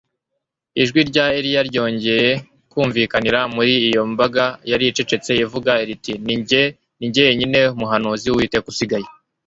ijwi rya Eliya ryongeye kumvikanira muri iyo mbaga yari icecetse ivuga riti Ni jye jyenyine muhanuzi wUwiteka usigaye